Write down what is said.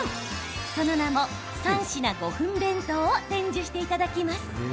その名も３品５分弁当を伝授していただきます。